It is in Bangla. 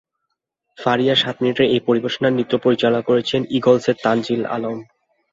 ফারিয়ার সাত মিনিটের এই পরিবেশনার নৃত্য পরিচালনা করেছেন ঈগলসের তানজিল আলম।